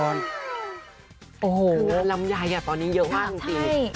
โอ้โฮคือลำยายตอนนี้เยอะมากจริงพี่ใช่